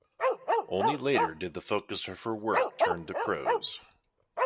Only later did the focus of her work turn to prose.